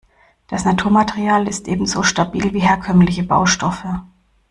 Das Naturmaterial ist ebenso stabil wie herkömmliche Baustoffe.